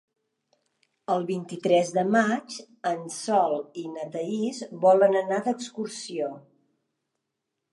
El vint-i-tres de maig en Sol i na Thaís volen anar d'excursió.